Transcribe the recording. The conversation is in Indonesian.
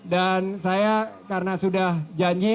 dan saya karena sudah janji